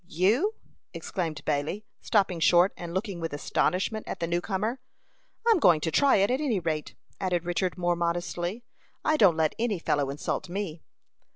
"You?" exclaimed Bailey, stopping short, and looking with astonishment at the new comer. "I am going to try it, at any rate," added Richard, more modestly. "I don't let any fellow insult me."